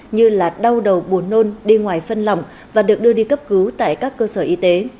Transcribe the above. như là đau đầu buồn nôn đi ngoài phân lỏng và được đưa đi cấp cứu tại các cơ sở y tế